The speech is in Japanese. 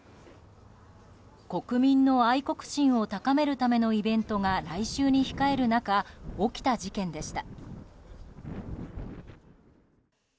国民の愛国心を高めるためのイベントが来週に控える中起きた事件でした。